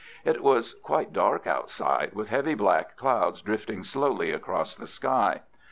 It was quite dark outside, with heavy black clouds drifting slowly across the sky.